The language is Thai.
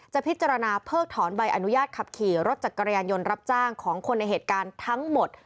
พิจารณาเพิกถอนใบอนุญาตขับขี่รถจักรยานยนต์รับจ้างของคนในเหตุการณ์ทั้งหมด